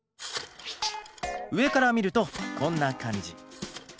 上から見るとこんな感じ。